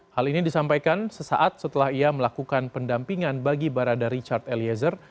hal ini disampaikan sesaat setelah ia melakukan pendampingan bagi barada richard eliezer